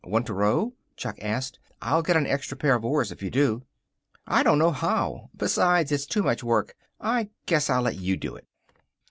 "Want to row?" Chuck asked. "I'll get an extra pair of oars if you do." "I don't know how. Besides, it's too much work. I guess I'll let you do it."